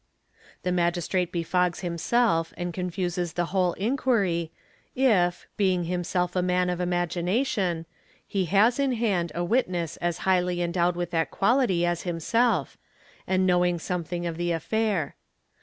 ' The Magistrate befogs himself and confuses the whole inquiry, if, ing himself a man of imagination, he has in hand a witness as highly ndowed with that quality as himself, and knowing something of the 12 90 EXAMINATION OF WITNESSES affair.